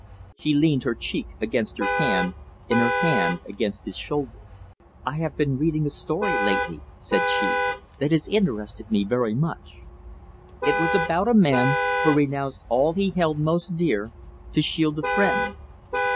She leaned her cheek against her hand, and her hand against his shoulder. "I have been reading a story lately," said she, "that has interested me very much. It was about a man who renounced all he held most dear to shield a friend."